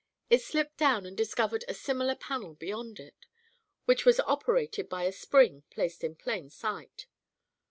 It slipped down and discovered a similar panel beyond it, which was operated by a spring placed in plain sight.